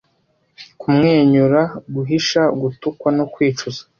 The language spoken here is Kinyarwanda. kumwenyura guhisha gutukwa no kwicuza